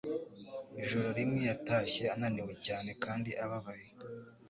Ijoro rimwe yatashye ananiwe cyane kandi ababaye.